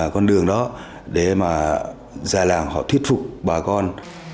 con đường đó để mà già làng họ thuyết phục bà con